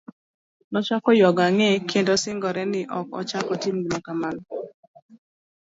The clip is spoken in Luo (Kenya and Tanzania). Nochakore yuago ang'e, kendo singore, ni ok ochak otim gima kamano.